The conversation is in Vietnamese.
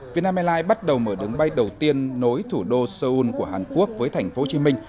việt nam airlines bắt đầu mở đường bay đầu tiên nối thủ đô seoul của hàn quốc với thành phố hồ chí minh